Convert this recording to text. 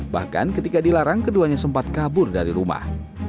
bahkan ketika dilarang keduanya sempat kabur dari rumah